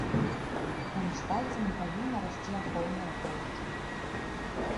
Паміж пальцамі павінна расці ахоўная поўсць.